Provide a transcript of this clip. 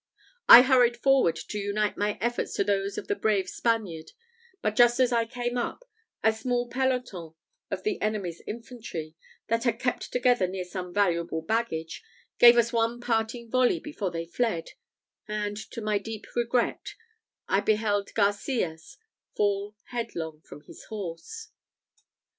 I hurried forward to unite my efforts to those of the brave Spaniard; but just as I came up, a small peloton of the enemy's infantry, that had kept together near some valuable baggage, gave us one parting volley before they fled, and to my deep regret I beheld Garcias fall headlong from his horse.